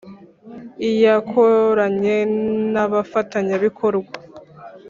iyakoranye n abafatanyabikorwa